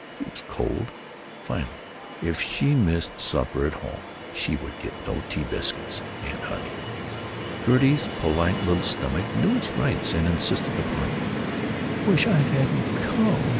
She was cold. Finally, if she missed supper at home she would get no tea biscuits and honey. Gertie's polite little stomach knew its rights and insisted upon them. "I wish I hadn't come!"